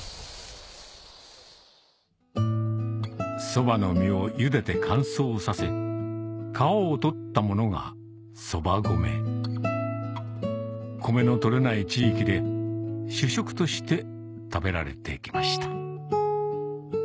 ソバの実をゆでて乾燥させ皮を取ったものが米の取れない地域で主食として食べられて来ました